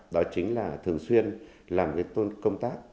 đó chính là thường xuyên làm công tác